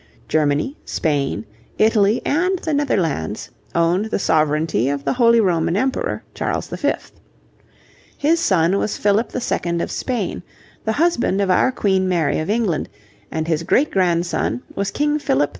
Germany, Spain, Italy, and the Netherlands, owned the sovereignty of the Holy Roman Emperor, Charles V. His son was Philip II. of Spain, the husband of our Queen Mary of England, and his great grandson was King Philip IV.